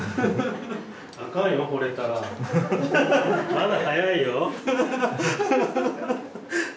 まだ早いよ。